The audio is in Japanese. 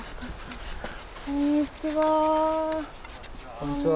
こんにちは。